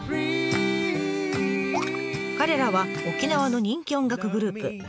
彼らは沖縄の人気音楽グループ。